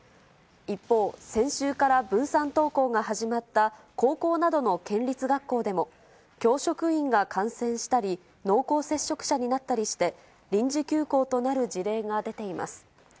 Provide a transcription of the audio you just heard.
一方、先週から分散登校が始まった、高校などの県立学校でも、教職員が感染したり、濃厚接触者になったりして、臨時休校となる事例が出ています。